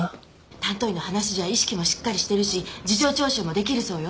担当医の話じゃ意識もしっかりしてるし事情聴取もできるそうよ